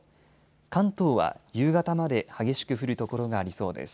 関東は夕方まで激しく降る所がありそうです。